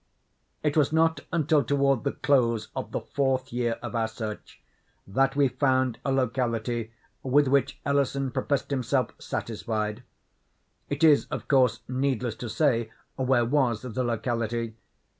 It was not until toward the close of the fourth year of our search that we found a locality with which Ellison professed himself satisfied. It is, of course, needless to say where was the locality.